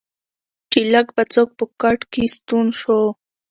چې لږ به څوک په کټ کې ستون شو.